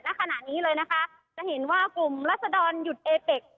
ขณะนี้เลยนะคะจะเห็นว่ากลุ่มรัศดรหยุดเอเป็ก